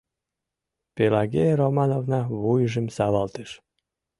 Пелагея Романовна вуйжым савалтыш.